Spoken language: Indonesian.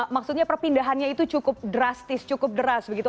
maksudnya perpindahannya itu cukup drastis cukup deras begitu